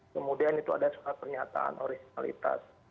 kemudian itu ada surat pernyataan oristalitas